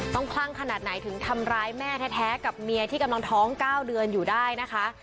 คลั่งขนาดไหนถึงทำร้ายแม่แท้กับเมียที่กำลังท้อง๙เดือนอยู่ได้นะคะ